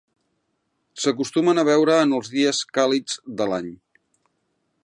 S'acostumen a veure en els dies càlids de l'any.